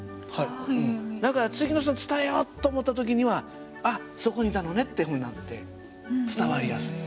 だから次の人に伝えようと思った時には「あっそこにいたのね」ってふうになって伝わりやすい。